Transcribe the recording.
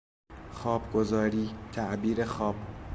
خوابگزاری، تعبیر خواب